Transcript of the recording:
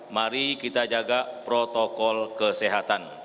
mari kita jaga protokol kesehatan